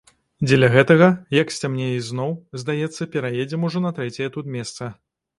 Дзеля гэтага, як сцямнее ізноў, здаецца, пераедзем ужо на трэцяе тут месца.